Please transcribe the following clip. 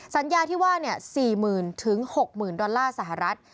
สัญญาที่ว่า๔๐๐๐๖๐๐๐ดอลลาร์สหรัฐ